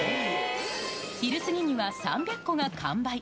昼過ぎには３００個が完売。